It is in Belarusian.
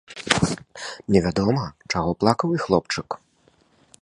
Невядома, чаго плакаў і хлопчык.